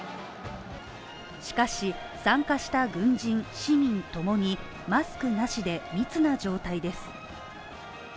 しかし、参加した軍人、市民ともに、マスクなしで密な状態です。